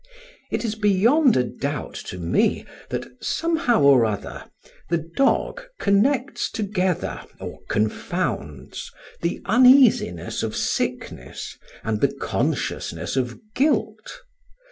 It is beyond a doubt to me that, somehow or other, the dog connects together, or confounds, the uneasiness of sickness and the consciousness of guilt.